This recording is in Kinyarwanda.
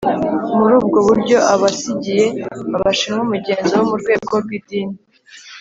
muri ubwo buryo aba asigiye abashinwa umugenzo wo mu rwego rw’idini.